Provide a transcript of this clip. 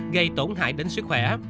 gây tổn hại đến sức khỏe